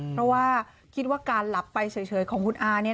เพราะว่าคิดว่าการหลับไปเฉยของคุณอาเนี่ย